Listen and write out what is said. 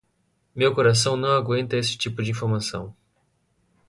Meu coração não aguenta este tipo de informação.